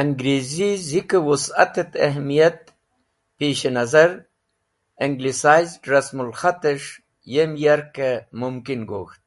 Angreezi Zike wusat et ahmiyete pishe nazar ‘Anglicised’ Rasmul K̃hat es̃h yem yarke mumkin gok̃ht.